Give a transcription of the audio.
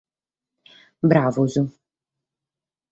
Bravos.